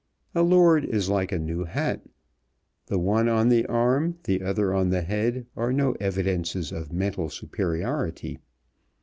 A lord is like a new hat. The one on the arm the other on the head are no evidences of mental superiority.